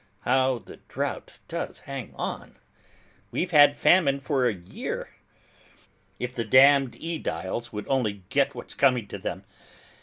How the drought does hang on! We've had famine for a year. If the damned AEdiles would only get what's coming to them.